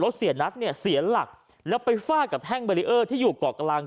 เสียนัทเนี่ยเสียหลักแล้วไปฟาดกับแท่งเบรีเออร์ที่อยู่เกาะกลาง